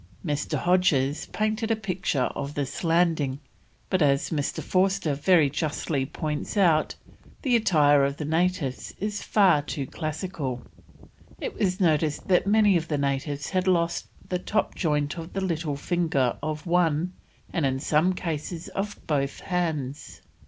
Mr. Hodges painted a picture of this landing, but, as Mr. Forster very justly points out, the attire of the natives is far too classical. It was noticed that many of the natives had lost the top joint of the little finger of one, and in some cases, of both hands.